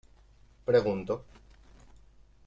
Pregunto.